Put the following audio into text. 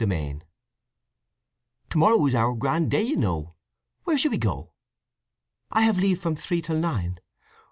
II "To morrow is our grand day, you know. Where shall we go?" "I have leave from three till nine.